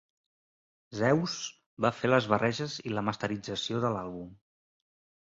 Zeuss va fer les barreges i la masterització de l'àlbum.